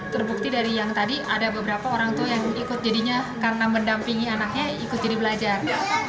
terbukti dari yang tadi ada beberapa orang tuh yang ikut jadinya karena mendampingi anaknya ikut jadi belajar